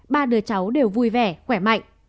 ba đứa cháu đều vui vẻ khỏe mạnh